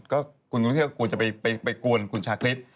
ก็คุณวุ้นเซ่นก็กลัวจะไปกวนคุณชาคริส